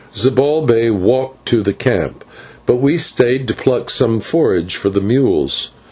Zibalbay walked to the camp, but we stayed to pluck some forage for the mules.